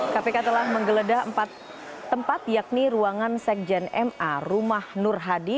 kpk telah menggeledah empat tempat yakni ruangan sekjen ma rumah nur hadi